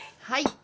はい。